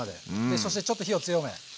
そしてちょっと火を強め温めます。